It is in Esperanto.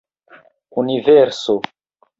universo